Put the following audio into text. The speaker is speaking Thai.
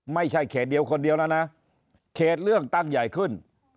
ไม่ใช่เขตเดียวคนเดียวแล้วนะเขตเลือกตั้งใหญ่ขึ้น